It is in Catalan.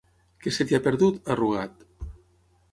Què se t'hi ha perdut, a Rugat?